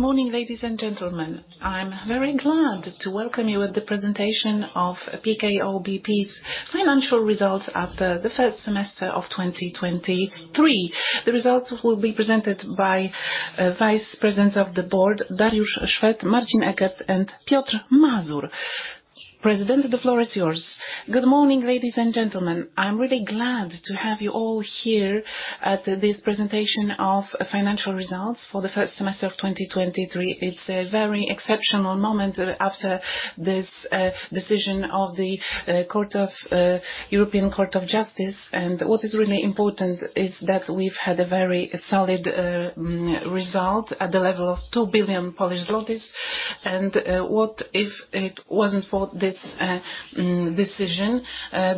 Good morning, ladies and gentlemen. I'm very glad to welcome you at the presentation of PKO BP's financial results after the first semester of 2023. The results will be presented by Vice President of the Board, Dariusz Szwed, Marcin Eckert, and Piotr Mazur. President, the floor is yours. Good morning, ladies and gentlemen. I'm really glad to have you all here at this presentation of financial results for the first semester of 2023. It's a very exceptional moment after this decision of the Court of European Court of Justice, and what is really important is that we've had a very solid result at the level of 2 billion Polish zlotys. And what if it wasn't for this decision?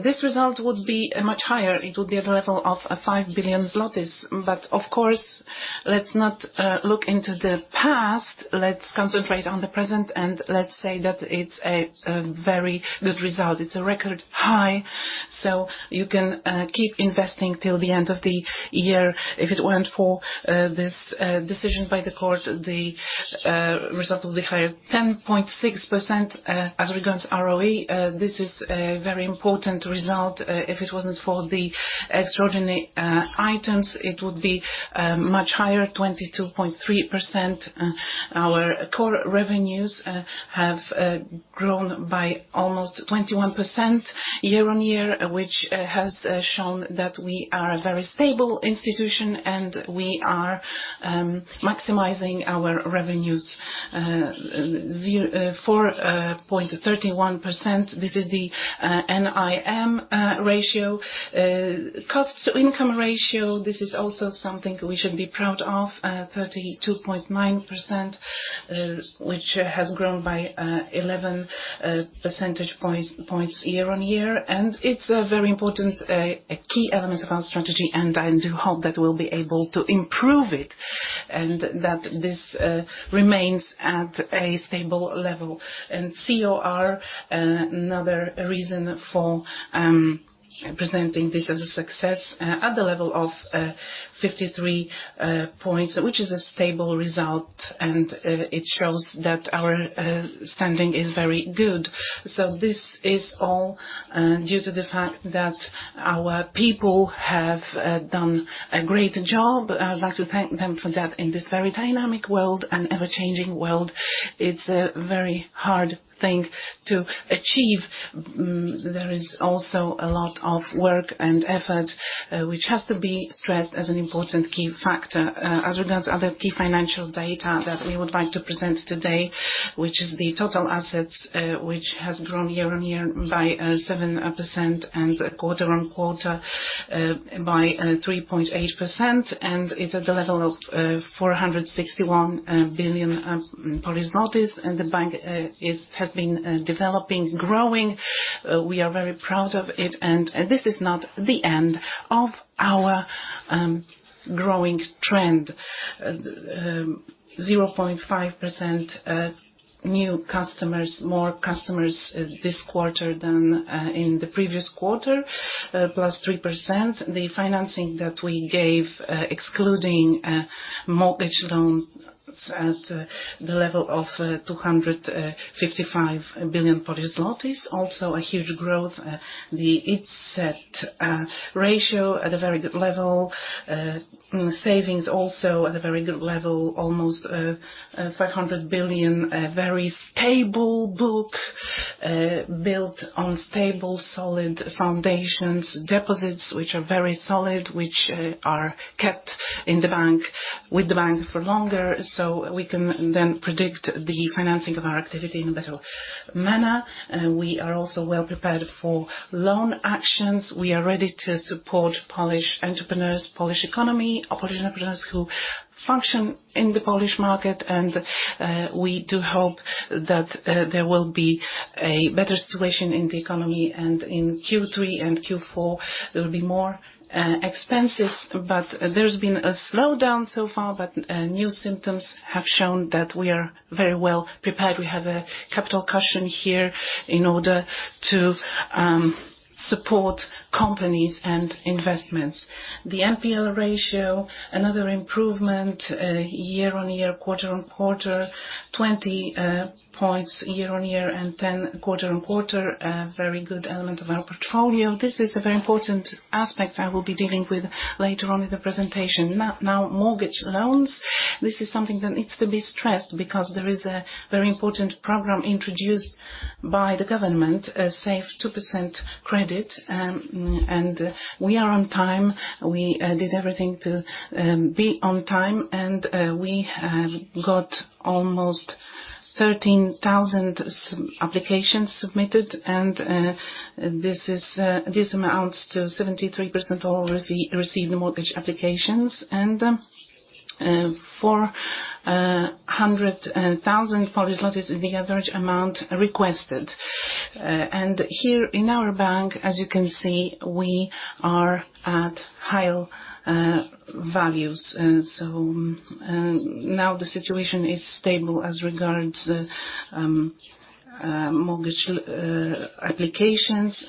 This result would be much higher. It would be at the level of 5 billion zlotys. But of course, let's not look into the past. Let's concentrate on the present, and let's say that it's a very good result. It's a record high, so you can keep investing till the end of the year. If it weren't for this decision by the court, the result would be higher. 10.6%, as regards ROE, this is a very important result. If it wasn't for the extraordinary items, it would be much higher, 22.3%. Our core revenues have grown by almost 21% year-on-year, which has shown that we are a very stable institution and we are maximizing our revenues. 0.431%, this is the NIM ratio. Costs to income ratio, this is also something we should be proud of, 32.9%, which has grown by 11 percentage points year-on-year. It's a very important key element of our strategy, and I do hope that we'll be able to improve it, and that this remains at a stable level. COR, another reason for presenting this as a success, at the level of 53 points, which is a stable result, and it shows that our standing is very good. So this is all due to the fact that our people have done a great job. I would like to thank them for that. In this very dynamic world and ever-changing world, it's a very hard thing to achieve. There is also a lot of work and effort, which has to be stressed as an important key factor. As regards other key financial data that we would like to present today, which is the total assets, which has grown year-on-year by 7% and quarter-on-quarter by 3.8%, and it's at the level of 461 billion. And the bank has been developing, growing. We are very proud of it, and this is not the end of our growing trend. 0.5% new customers, more customers this quarter than in the previous quarter, +3%. The financing that we gave, excluding mortgage loans at the level of 255 billion Polish zlotys, also a huge growth. The each set ratio at a very good level. Savings also at a very good level, almost 500 billion. A very stable book, built on stable, solid foundations. Deposits, which are very solid, which are kept in the bank, with the bank for longer, so we can then predict the financing of our activity in a better manner. We are also well prepared for loan actions. We are ready to support Polish entrepreneurs, Polish economy, or Polish entrepreneurs who function in the Polish market. And we do hope that there will be a better situation in the economy. In Q3 and Q4, there will be more expenses, but there's been a slowdown so far, but new symptoms have shown that we are very well prepared. We have a capital cushion here in order to support companies and investments. The NPL ratio, another improvement, year-on-year, quarter-on-quarter, 20 points year-on-year and 10 quarter-on-quarter, a very good element of our portfolio. This is a very important aspect I will be dealing with later on in the presentation. Now, now, mortgage loans, this is something that needs to be stressed because there is a very important program introduced by the government, a Safe 2% Credit. And we are on time. We did everything to be on time, and we have got almost 13,000 applications submitted, and this amounts to 73% of all received mortgage applications. 400,000 is the average amount requested. Here in our bank, as you can see, we are at higher values. So now the situation is stable as regards mortgage applications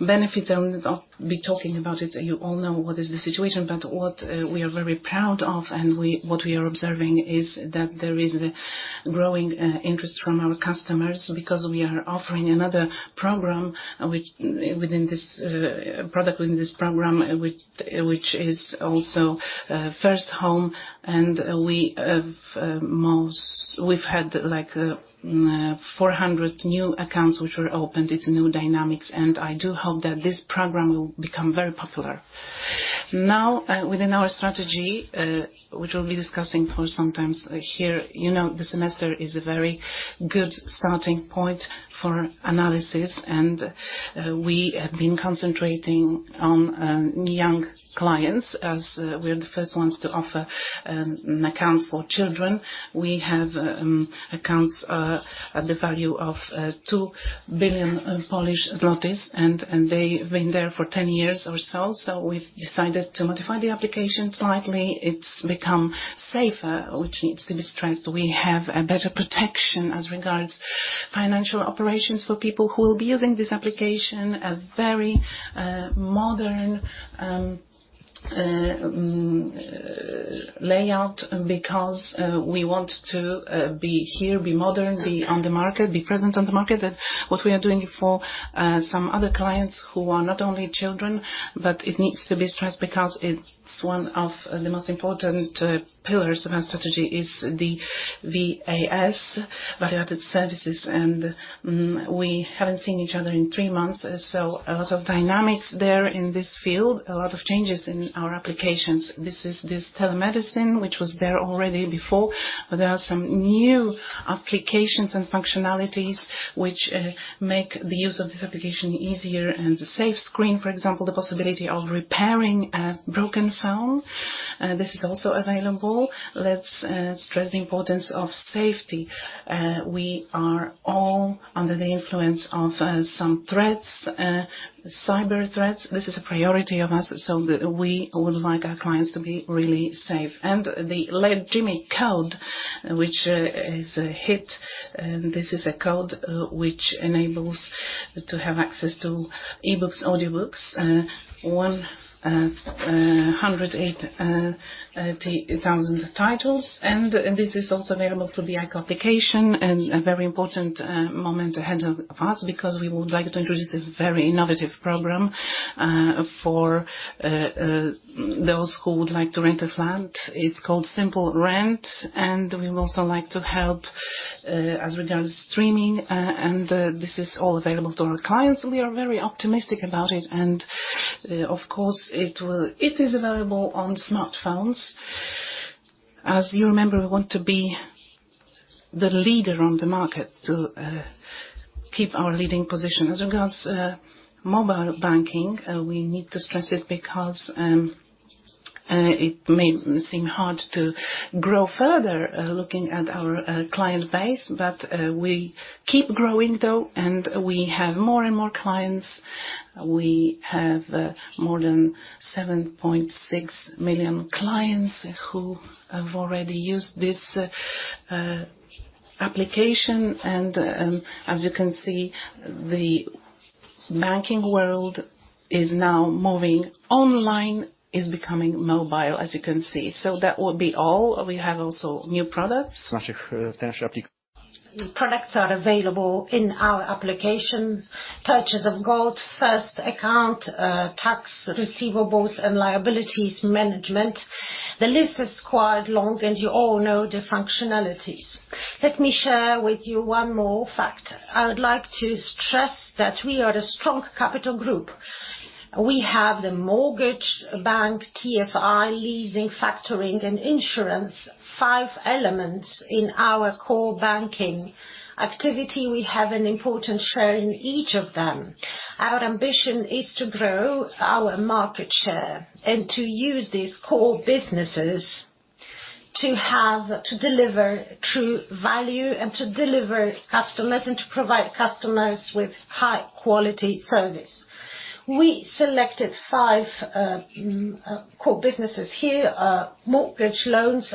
benefits. I'll be talking about it. You all know what is the situation, but what we are very proud of, and we-what we are observing, is that there is a growing interest from our customers because we are offering another program, which, within this product, within this program, which, which is also First Home, and we have most--we've had, like, 400 new accounts which were opened. It's new dynamics, and I do hope that this program will become very popular. Now, within our strategy, which we'll be discussing for sometimes here, you know, the semester is a very good starting point for analysis, and we have been concentrating on young clients as we are the first ones to offer an account for children. We have accounts at the value of 2 billion Polish zlotys, and they've been there for 10 years or so. So we've decided to modify the application slightly. It's become safer, which needs to be stressed. We have a better protection as regards financial operations for people who will be using this application. A very modern layout, because we want to be here, be modern, be on the market, be present on the market. And what we are doing for some other clients who are not only children, but it needs to be stressed because it's one of the most important pillars of our strategy, is the VAS, value-added services. And we haven't seen each other in three months, so a lot of dynamics there in this field, a lot of changes in our applications. This is this telemedicine, which was there already before, but there are some new applications and functionalities which make the use of this application easier and Safe Screen, for example, the possibility of repairing a broken phone, this is also available. Let's stress the importance of safety. We are all under the influence of some threats, cyber threats. This is a priority of us, so we would like our clients to be really safe. And the Legimi Code, which is a hit, this is a code, which enables to have access to e-books, audiobooks, 108,000 titles. This is also available through the IKO application, and a very important moment ahead of us, because we would like to introduce a very innovative program for those who would like to rent a flat. It's called Simple Rent, and we would also like to help as regards streaming, and this is all available to our clients. We are very optimistic about it, and, of course, it will - it is available on smartphones. As you remember, we want to be the leader on the market to keep our leading position. As regards mobile banking, we need to stress it because it may seem hard to grow further looking at our client base, but we keep growing, though, and we have more and more clients. We have more than 7.6 million clients who have already used this application. And as you can see, the banking world is now moving online, is becoming mobile, as you can see. So that would be all. We have also new products. Products are available in our applications: purchase of gold, First Account, tax receivables, and liabilities management. The list is quite long, and you all know the functionalities. Let me share with you one more fact. I would like to stress that we are a strong capital group. We have the mortgage bank, TFI, leasing, factoring, and insurance. Five elements in our core banking activity. We have an important share in each of them. Our ambition is to grow our market share and to use these core businesses to have, to deliver true value, and to deliver customers, and to provide customers with high-quality service. We selected five core businesses here. Mortgage loans,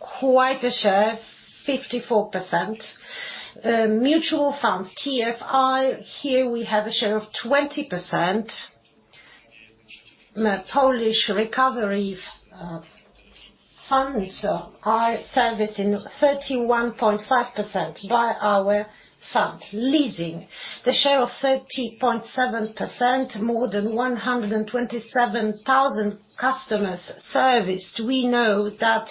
quite a share, 54%. Mutual funds, TFI, here we have a share of 20%. Polish recovery funds are serviced in 31.5% by our fund. Leasing, the share of 30.7%, more than 127,000 customers serviced. We know that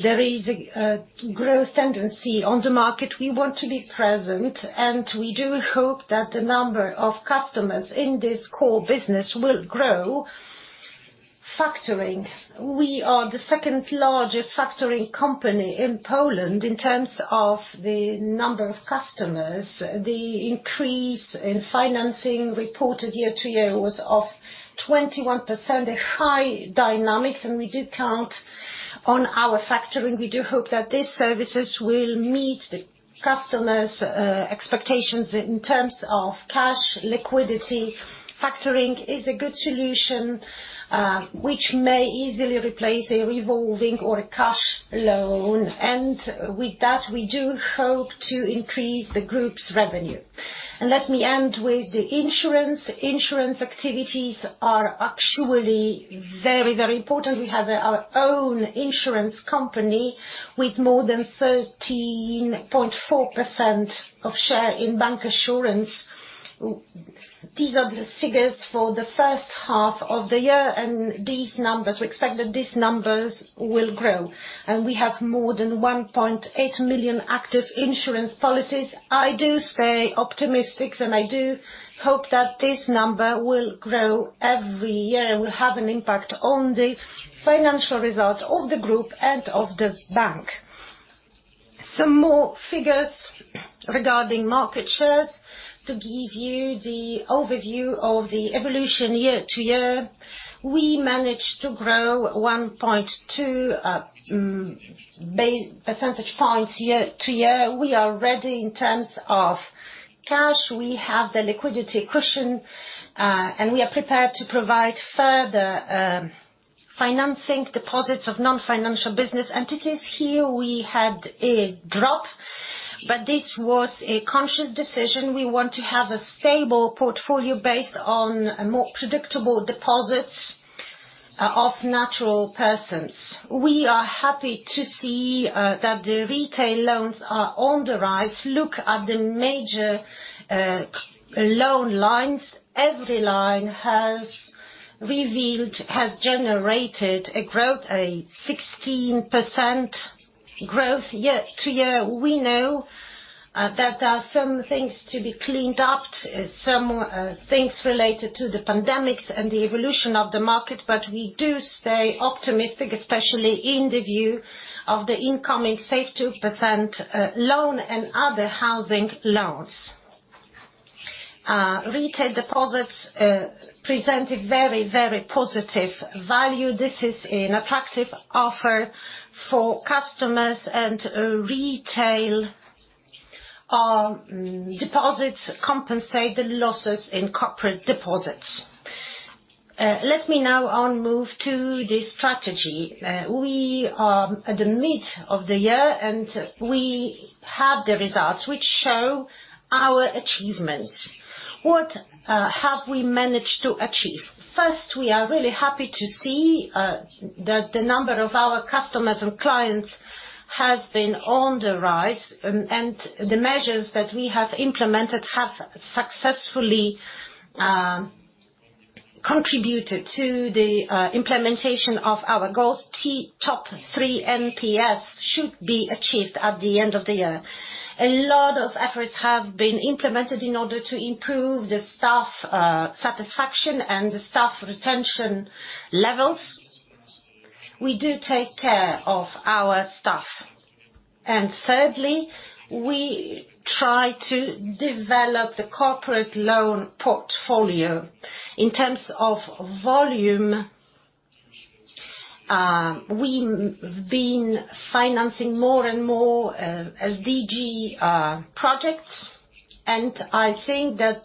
there is a growth tendency on the market. We want to be present, and we do hope that the number of customers in this core business will grow. Factoring. We are the second-largest factoring company in Poland in terms of the number of customers. The increase in financing reported year-over-year was of 21%, a high dynamics, and we do count-... on our factoring, we do hope that these services will meet the customers' expectations in terms of cash liquidity. Factoring is a good solution, which may easily replace a revolving or a cash loan, and with that, we do hope to increase the group's revenue. And let me end with the insurance. Insurance activities are actually very, very important. We have our own insurance company with more than 13.4% share in bancassurance. These are the figures for the first half of the year, and these numbers we expect that these numbers will grow. And we have more than 1.8 million active insurance policies. I do stay optimistic, and I do hope that this number will grow every year and will have an impact on the financial results of the group and of the bank. Some more figures regarding market shares. To give you the overview of the evolution year-to-year, we managed to grow 1.2 percentage points year-to-year. We are ready in terms of cash. We have the liquidity cushion, and we are prepared to provide further, financing deposits of non-financial business entities. Here, we had a drop, but this was a conscious decision. We want to have a stable portfolio based on more predictable deposits, of natural persons. We are happy to see, that the retail loans are on the rise. Look at the major, loan lines. Every line has generated a growth, a 16% growth year-to-year. We know that there are some things to be cleaned up, some things related to the pandemic and the evolution of the market, but we do stay optimistic, especially in the view of the incoming Safe 2% loan and other housing loans. Retail deposits presented very, very positive value. This is an attractive offer for customers, and retail deposits compensated losses in corporate deposits. Let me now on move to the strategy. We are at the mid of the year, and we have the results, which show our achievements. What have we managed to achieve? First, we are really happy to see that the number of our customers and clients has been on the rise, and the measures that we have implemented have successfully contributed to the implementation of our goals. Top three NPS should be achieved at the end of the year. A lot of efforts have been implemented in order to improve the staff satisfaction and the staff retention levels. We do take care of our staff. And thirdly, we try to develop the corporate loan portfolio. In terms of volume, we've been financing more and more SDG projects, and I think that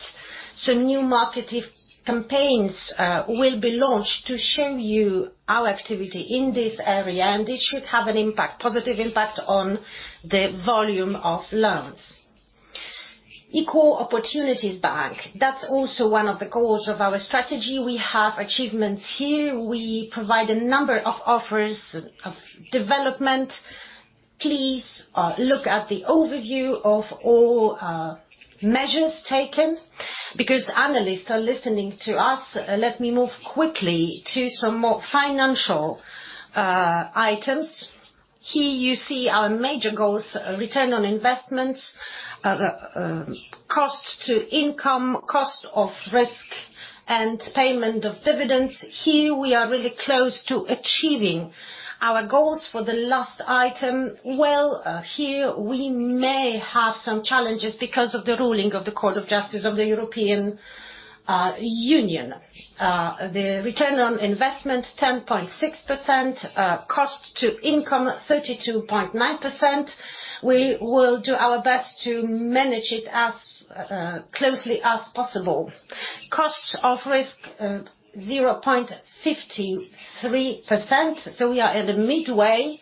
some new marketing campaigns will be launched to show you our activity in this area, and this should have an impact, positive impact, on the volume of loans. Equal Opportunities Bank, that's also one of the goals of our strategy. We have achievements here. We provide a number of offers of development. Please look at the overview of all measures taken. Because analysts are listening to us, let me move quickly to some more financial items. Here, you see our major goals, return on investments, cost to income, cost of risk, and payment of dividends. Here, we are really close to achieving our goals for the last item. Well, here we may have some challenges because of the ruling of the Court of Justice of the European Union. The return on investment, 10.6%. Cost to income, 32.9%. We will do our best to manage it as closely as possible. Cost of risk, 0.53%, so we are in the midway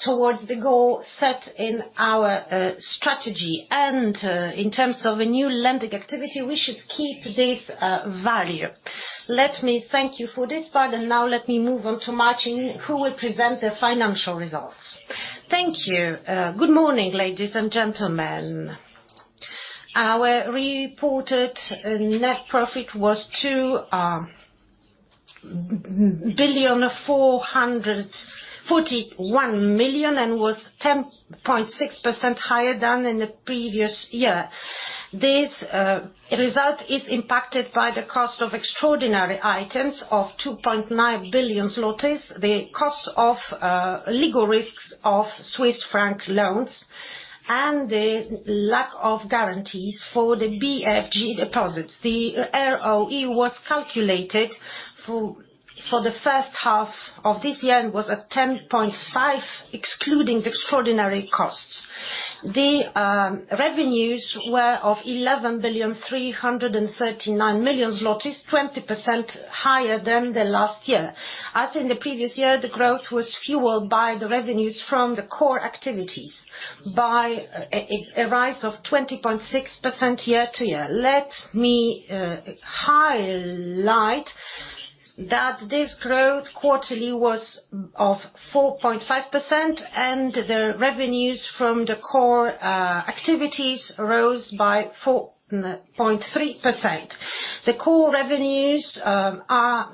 towards the goal set in our strategy. And, in terms of a new lending activity, we should keep this value. Let me thank you for this part, and now let me move on to Marcin, who will present the financial results. Thank you. Good morning, ladies and gentlemen. Our reported net profit was PLN 2.441 billion and was 10.6% higher than in the previous year. This result is impacted by the cost of extraordinary items of 2.9 billion, the cost of legal risks of Swiss franc loans, and the lack of guarantees for the BFG deposits. The ROE was calculated for the first half of this year and was at 10.5, excluding the extraordinary costs. The revenues were of 11.339 billion, 20% higher than the last year. As in the previous year, the growth was fueled by the revenues from the core activities, by a rise of 20.6% year-to-year. Let me highlight that this growth quarterly was of 4.5%, and the revenues from the core activities rose by 4.3%. The core revenues are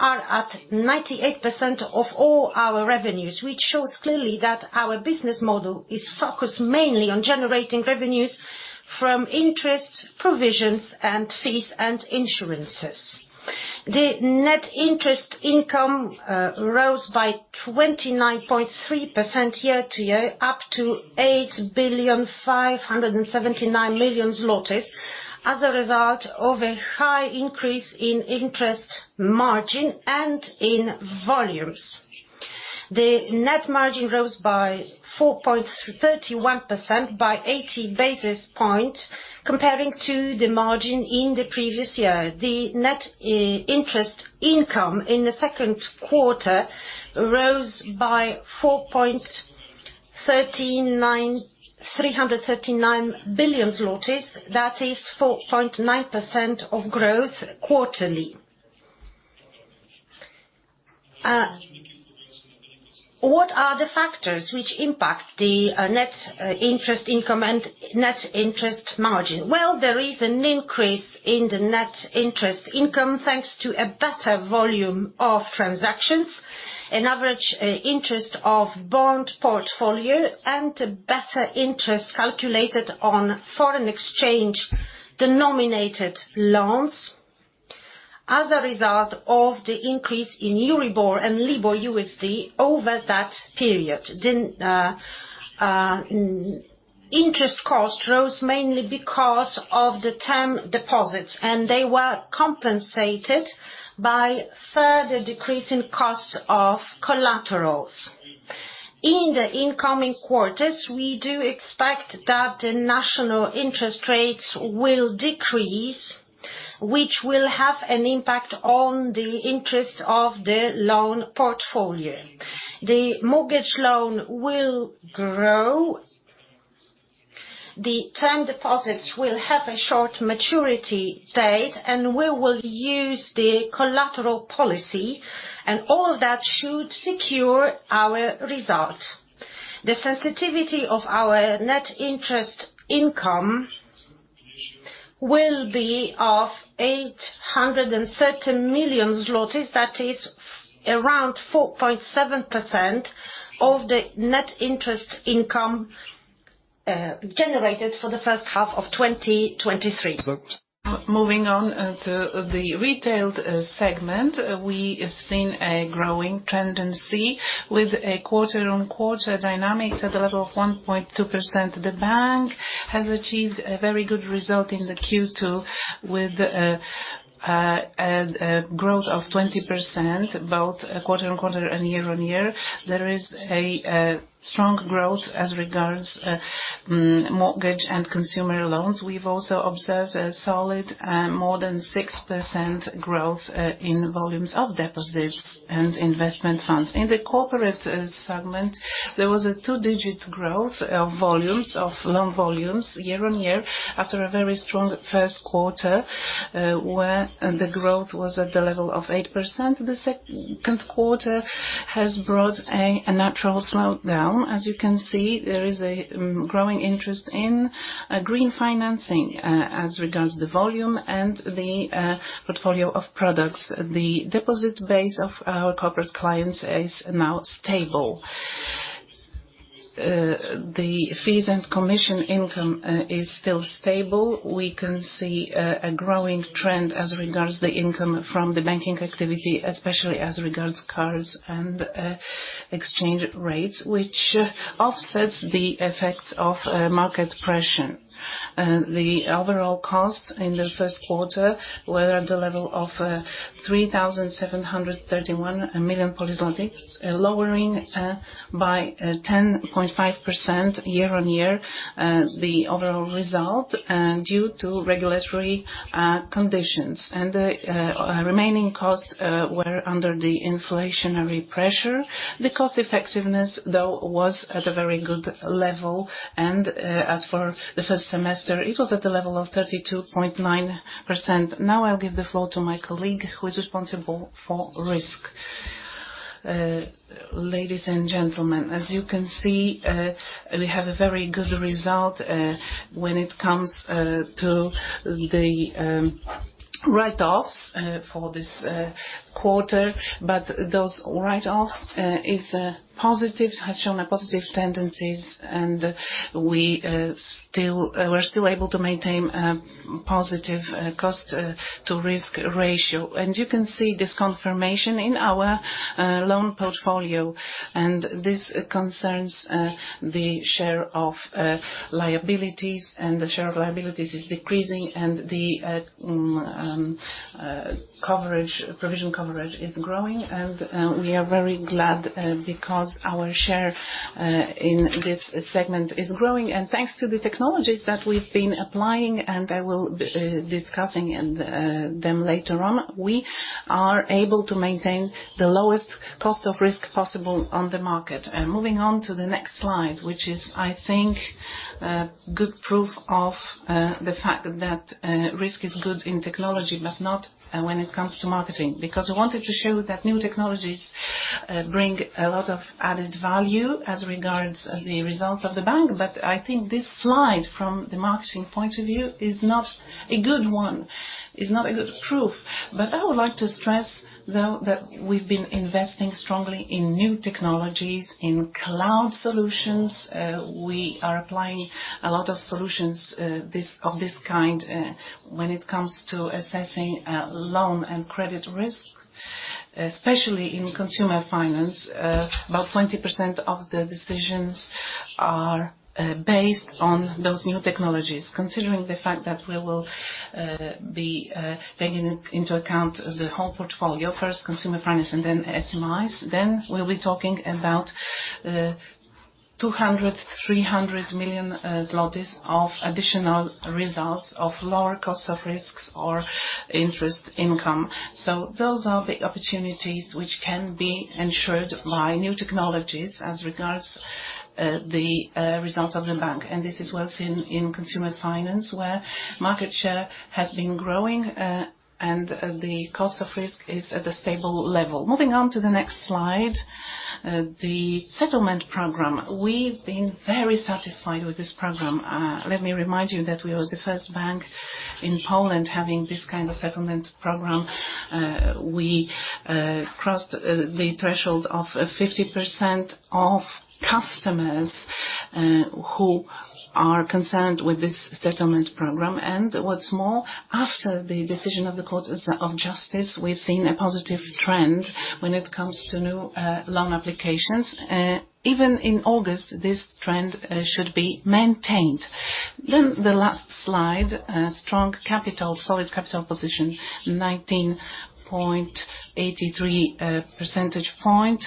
at 98% of all our revenues, which shows clearly that our business model is focused mainly on generating revenues from interest, provisions, and fees, and insurances. The net interest income rose by 29.3% year-over-year, up to 8,579 million zlotys, as a result of a high increase in interest margin and in volumes. The net margin rose by 4.31%, by 80 basis points, comparing to the margin in the previous year. The net interest income in the second quarter rose by PLN 339 million, that is 4.9% of growth quarterly. What are the factors which impact the net interest income and net interest margin? Well, there is an increase in the net interest income, thanks to a better volume of transactions, an average interest of bond portfolio, and a better interest calculated on foreign exchange denominated loans. As a result of the increase in EURIBOR and LIBOR USD over that period, the interest cost rose mainly because of the term deposits, and they were compensated by further decrease in costs of collaterals. In the incoming quarters, we do expect that the national interest rates will decrease, which will have an impact on the interest of the loan portfolio. The mortgage loan will grow, the term deposits will have a short maturity date, and we will use the collateral policy, and all that should secure our result. The sensitivity of our net interest income will be of 830 million zlotys, that is around 4.7% of the net interest income generated for the first half of 2023. Moving on to the retail segment, we have seen a growing tendency with a quarter-on-quarter dynamics at a level of 1.2%. The bank has achieved a very good result in the Q2 with a growth of 20%, both quarter-on-quarter and year-on-year. There is a strong growth as regards mortgage and consumer loans. We've also observed a solid more than 6% growth in volumes of deposits and investment funds. In the corporate segment, there was a two-digit growth of volumes, of loan volumes, year-on-year, after a very strong first quarter where the growth was at the level of 8%. The second quarter has brought a natural slowdown. As you can see, there is a growing interest in green financing as regards the volume and the portfolio of products. The deposit base of our corporate clients is now stable. The fees and commission income is still stable. We can see a growing trend as regards the income from the banking activity, especially as regards cards and exchange rates, which offsets the effects of market pressure. The overall cost in the first quarter were at the level of 3,731 million, lowering by 10.5% year-on-year, the overall result, and due to regulatory conditions. The remaining costs were under the inflationary pressure. The cost effectiveness, though, was at a very good level, and as for the first semester, it was at the level of 32.9%. Now I'll give the floor to my colleague, who is responsible for risk. Ladies and gentlemen, as you can see, we have a very good result when it comes to the write-offs for this quarter, but those write-offs is a positive, has shown a positive tendencies, and we're still able to maintain a positive cost to risk ratio. And you can see this confirmation in our loan portfolio, and this concerns the share of liabilities, and the share of liabilities is decreasing, and the coverage, provision coverage is growing. And we are very glad because our share in this segment is growing. And thanks to the technologies that we've been applying, and I will be discussing them later on. We are able to maintain the lowest cost of risk possible on the market. Moving on to the next slide, which is, I think, a good proof of the fact that risk is good in technology, but not when it comes to marketing. Because I wanted to show that new technologies bring a lot of added value as regards of the results of the bank. But I think this slide, from the marketing point of view, is not a good one, is not a good proof. But I would like to stress, though, that we've been investing strongly in new technologies, in cloud solutions. We are applying a lot of solutions of this kind when it comes to assessing loan and credit risk, especially in consumer finance. About 20% of the decisions are based on those new technologies. Considering the fact that we will be taking into account the whole portfolio, first consumer finance, and then SMIs. Then we'll be talking about 200 million-300 million zlotys of additional results of lower costs of risks or interest income. So those are the opportunities which can be ensured by new technologies as regards the results of the bank. And this is well seen in consumer finance, where market share has been growing and the cost of risk is at a stable level. Moving on to the next slide, the settlement program. We've been very satisfied with this program. Let me remind you that we were the first bank in Poland having this kind of settlement program. We crossed the threshold of 50% of customers who are concerned with this settlement program. What's more, after the decision of the Court of Justice, we've seen a positive trend when it comes to new loan applications. Even in August, this trend should be maintained. The last slide, strong capital, solid capital position, 19.83%.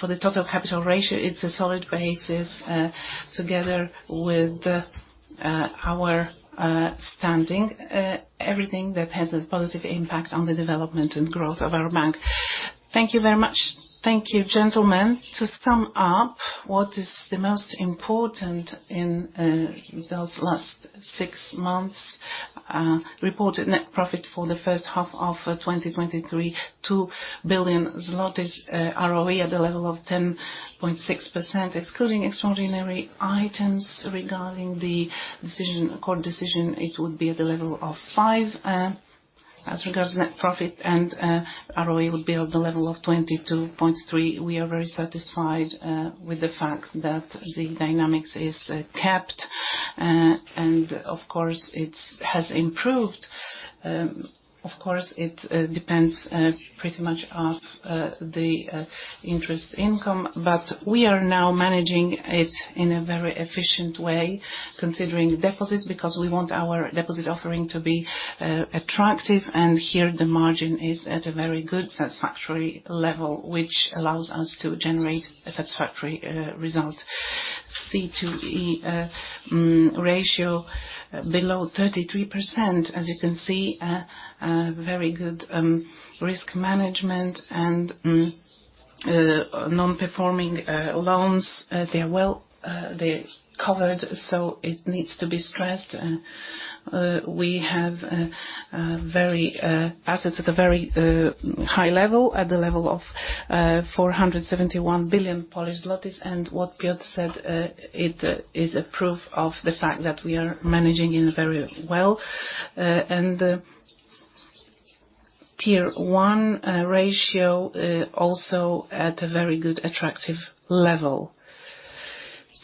For the total capital ratio, it's a solid basis, together with our standing, everything that has a positive impact on the development and growth of our bank. Thank you very much. Thank you, gentlemen. To sum up, what is the most important in those last six months? Reported net profit for the first half of 2023, 2 billion zlotys, ROE at the level of 10.6%, excluding extraordinary items. Regarding the decision, court decision, it would be at the level of 5%. As regards net profit and, ROE would be at the level of 22.3%. We are very satisfied, with the fact that the dynamics is, kept, and of course, it's has improved. Of course, it, depends, pretty much of, the, interest income, but we are now managing it in a very efficient way, considering deposits, because we want our deposit offering to be, attractive. And here, the margin is at a very good satisfactory level, which allows us to generate a satisfactory, result. C/I, ratio below 33%, as you can see, a very good, risk management and, non-performing, loans, they are well, they're covered, so it needs to be stressed. We have very assets at a very high level, at the level of 471 billion Polish zlotys. And what Piotr said, it is a proof of the fact that we are managing it very well. And Tier 1 ratio also at a very good, attractive level.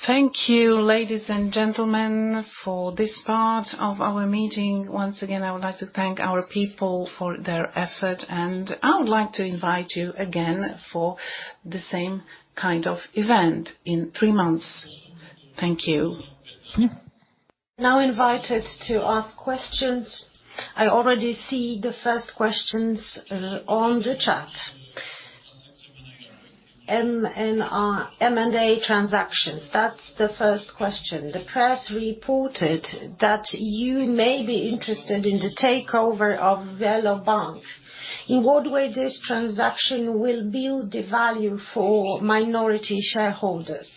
Thank you, ladies and gentlemen, for this part of our meeting. Once again, I would like to thank our people for their effort, and I would like to invite you again for the same kind of event in three months. Thank you. You're now invited to ask questions. I already see the first questions on the chat. M and R- M&A transactions, that's the first question. The press reported that you may be interested in the takeover of VeloBank. In what way this transaction will build the value for minority shareholders?...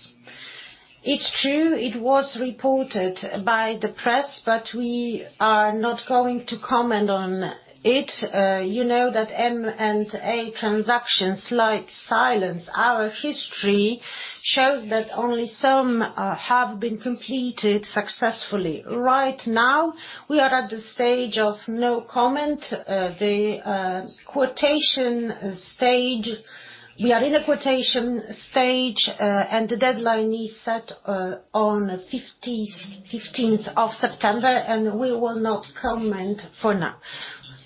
It's true, it was reported by the press, but we are not going to comment on it. You know, that M and A transactions like silence. Our history shows that only some have been completed successfully. Right now, we are at the stage of no comment. The quotation stage—we are in a quotation stage, and the deadline is set on September 15th, and we will not comment for now.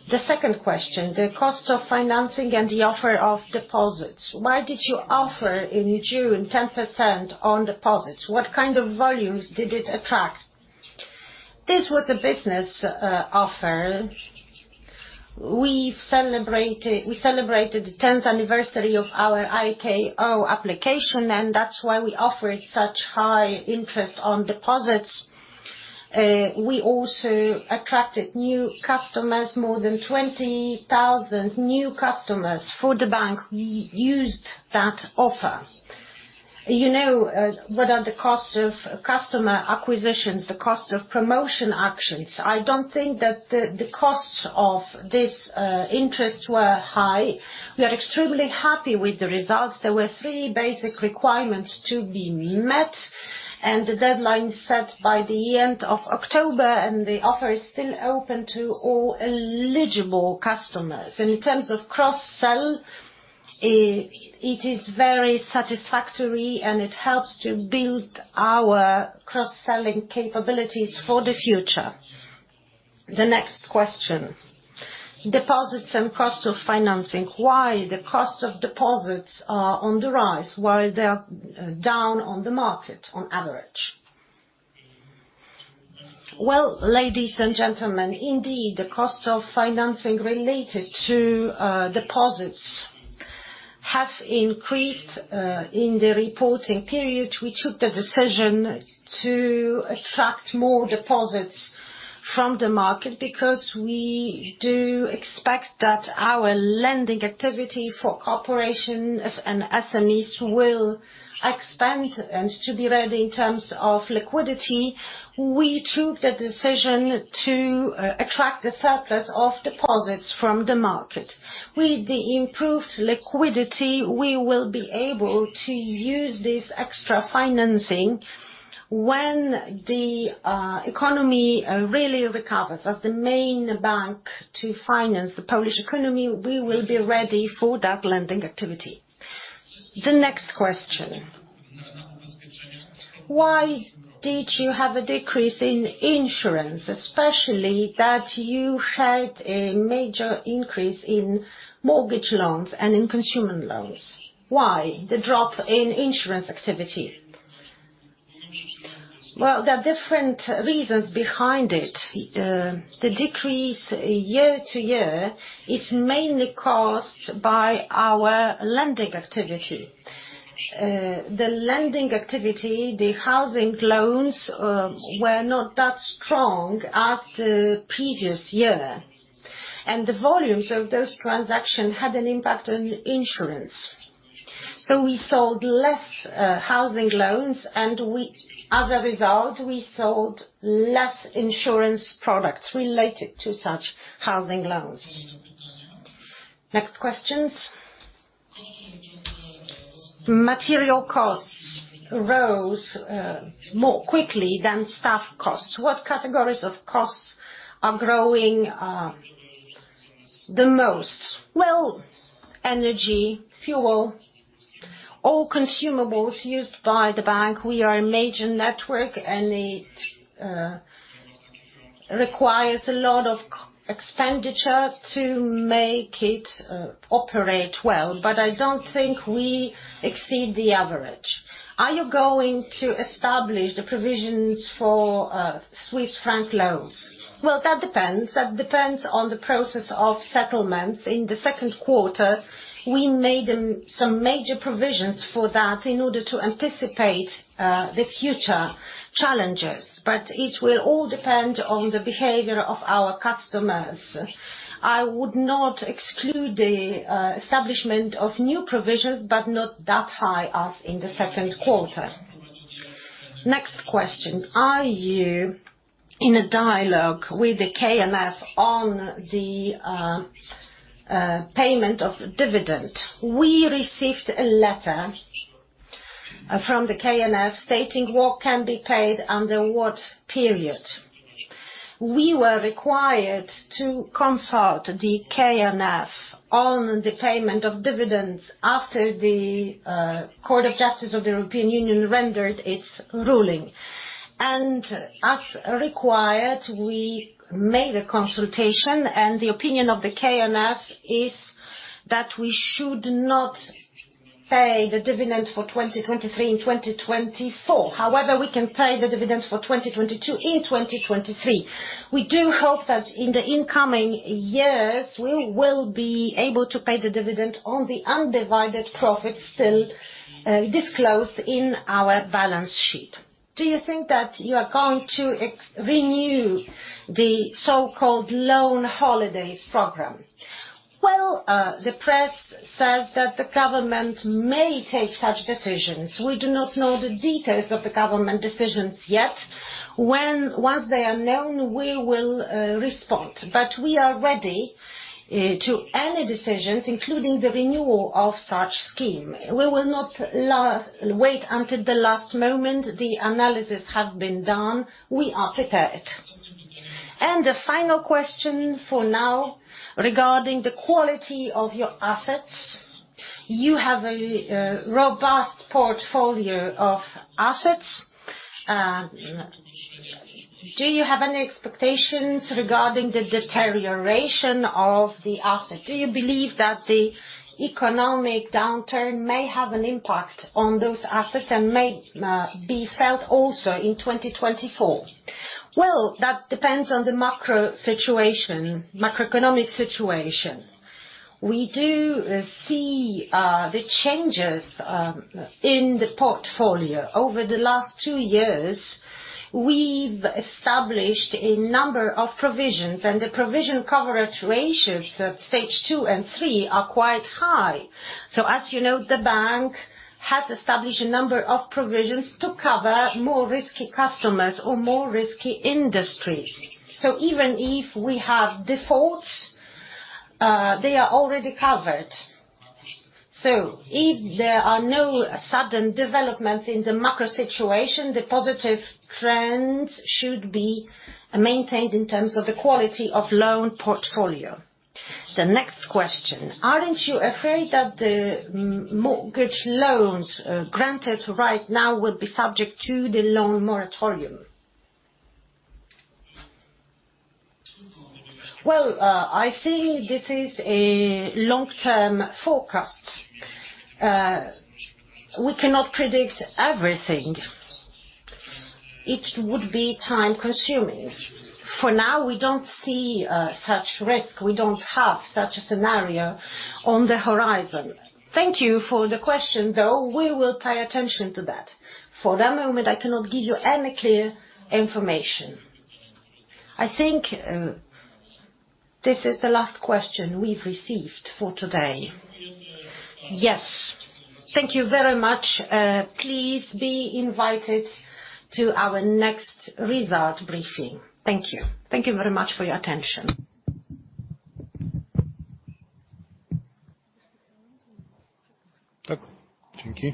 The second question, the cost of financing and the offer of deposits. Why did you offer in June, 10% on deposits? What kind of volumes did it attract? This was a business offer. We've celebrated, we celebrated the 10th anniversary of our IKO application, and that's why we offered such high interest on deposits. We also attracted new customers. More than 20,000 new customers for the bank used that offer. You know, what are the costs of customer acquisitions, the cost of promotion actions? I don't think that the costs of this interest were high. We are extremely happy with the results. There were three basic requirements to be met, and the deadline set by the end of October, and the offer is still open to all eligible customers. In terms of cross-sell, it is very satisfactory, and it helps to build our cross-selling capabilities for the future. The next question: deposits and cost of financing. Why the cost of deposits are on the rise while they are down on the market on average? Well, ladies and gentlemen, indeed, the cost of financing related to deposits have increased in the reporting period. We took the decision to attract more deposits from the market because we do expect that our lending activity for corporations and SMEs will expand, and to be ready in terms of liquidity, we took the decision to attract the surplus of deposits from the market. With the improved liquidity, we will be able to use this extra financing when the economy really recovers. As the main bank to finance the Polish economy, we will be ready for that lending activity. The next question: Why did you have a decrease in insurance, especially that you had a major increase in mortgage loans and in consumer loans? Why the drop in insurance activity? Well, there are different reasons behind it. The decrease year to year is mainly caused by our lending activity. The lending activity, the housing loans, were not that strong as the previous year, and the volumes of those transactions had an impact on insurance. So we sold less housing loans, and we—as a result, we sold less insurance products related to such housing loans. Next questions. Material costs rose more quickly than staff costs. What categories of costs are growing the most? Well, energy, fuel, all consumables used by the bank. We are a major network, and it requires a lot of expenditure to make it operate well, but I don't think we exceed the average. Are you going to establish the provisions for Swiss franc loans? Well, that depends. That depends on the process of settlements. In the second quarter, we made some major provisions for that in order to anticipate the future challenges, but it will all depend on the behavior of our customers. I would not exclude the establishment of new provisions, but not that high as in the second quarter. Next question: Are you in a dialogue with the KNF on the payment of dividend? We received a letter from the KNF, stating what can be paid under what period. We were required to consult the KNF on the payment of dividends after the Court of Justice of the European Union rendered its ruling. And as required, we made a consultation, and the opinion of the KNF is that we should not pay the dividend for 2023 and 2024. However, we can pay the dividends for 2022 in 2023. We do hope that in the incoming years, we will be able to pay the dividend on the undivided profits still, disclosed in our balance sheet. Do you think that you are going to renew the so-called loan holidays program? Well, the press says that the government may take such decisions. We do not know the details of the government decisions yet. Once they are known, we will, respond. But we are ready, to any decisions, including the renewal of such scheme. We will not wait until the last moment. The analysis have been done. We are prepared. The final question for now, regarding the quality of your assets, you have a, robust portfolio of assets. Do you have any expectations regarding the deterioration of the asset? Do you believe that the economic downturn may have an impact on those assets, and may be felt also in 2024? Well, that depends on the macro situation, macroeconomic situation. We do see the changes in the portfolio. Over the last two years, we've established a number of provisions, and the provision coverage ratios at stage 2 and 3 are quite high. So as you know, the bank has established a number of provisions to cover more risky customers or more risky industries. So even if we have defaults, they are already covered. So if there are no sudden developments in the macro situation, the positive trends should be maintained in terms of the quality of loan portfolio. The next question: Aren't you afraid that the mortgage loans granted right now will be subject to the loan moratorium? Well, I think this is a long-term forecast. We cannot predict everything. It would be time-consuming. For now, we don't see such risk. We don't have such a scenario on the horizon. Thank you for the question, though. We will pay attention to that. For the moment, I cannot give you any clear information. I think this is the last question we've received for today. Yes. Thank you very much. Please be invited to our next result briefing. Thank you. Thank you very much for your attention. Thank you.